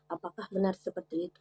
apakah benar seperti itu